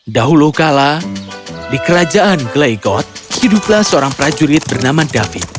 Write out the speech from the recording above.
dahulu kala di kerajaan glegot hiduplah seorang prajurit bernama david